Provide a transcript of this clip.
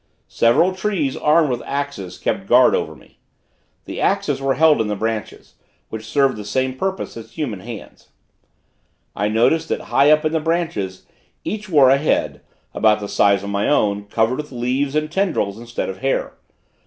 Several trees armed with axes kept guard over me. The axes were held in the branches, which served the same purpose as human hands. I noticed that high up in the branches each wore a head, about the size of my own, covered with leaves and tendrils instead of hair.